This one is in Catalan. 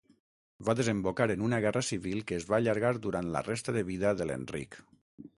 Va desembocar en una guerra civil que es va allargar durant la resta de vida de l'Enric.